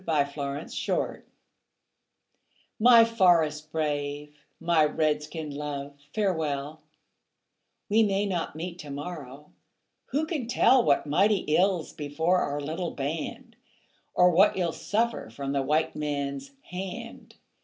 A CRY FROM AN INDIAN WIFE My forest brave, my Red skin love, farewell; We may not meet to morrow; who can tell What mighty ills befall our little band, Or what you'll suffer from the white man's hand?